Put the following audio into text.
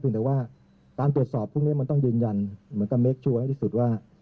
แต่ว่าการตรวจสอบพวกนี้มันต้องยืนยันเหมือนกับเมคชัวร์ให้ที่สุดว่า